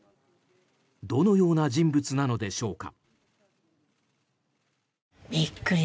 どのような人物なのでしょうか。